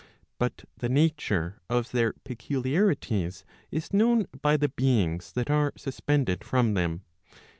But the nature of their peculiarities is known by the beings that are suspended from them.